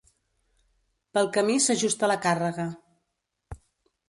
Pel camí s'ajusta la càrrega.